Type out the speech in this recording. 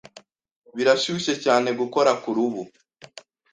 Birashyushye cyane gukora kurubu.